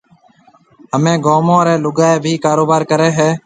ھميَ گومون رَي لوگائيَ ڀِي ڪاروبار ڪرَي ھيََََ